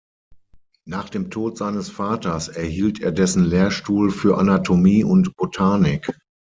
Nach dem Tod seines Vaters erhielt er dessen Lehrstuhl für Anatomie und Botanik.